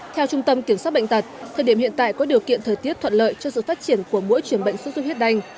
theo trung tâm kiểm soát bệnh tật thời điểm hiện tại có điều kiện thời tiết thuận lợi cho sự phát triển của mỗi trường bệnh suất huyết đanh